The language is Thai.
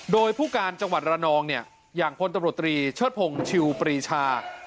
โดยผู้การจังหวัดระนองเนี่ยอย่างพลตำรวจตรีเชิดพงศ์ชิวปรีชา